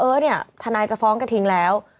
เออเนี่ยทนายจะฟ้องกระทิงแล้ว